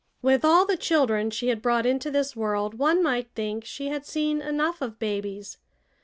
With all the children she had brought into this world one might think she had seen enough of babies.